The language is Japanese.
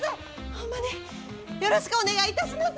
ホンマによろしくお願いいたします！